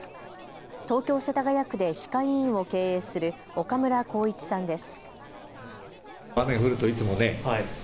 東京世田谷区で歯科医院を経営する岡村興一さんです。